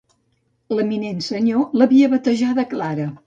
L'eminent senyor l'havia batejada Clara.